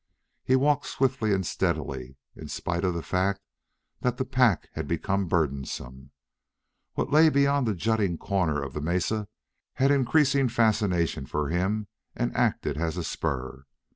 He walked swiftly and steadily, in spite of the fact that the pack had become burdensome. What lay beyond the jutting corner of the mesa had increasing fascination for him and acted as a spur.